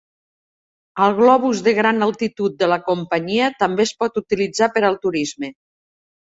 El globus de gran altitud de la companyia també es pot utilitzar per al turisme.